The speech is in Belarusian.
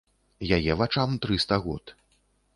Яе вачам трыста год.